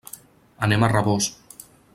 Anem a Rabós.